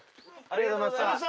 ありがとうございます」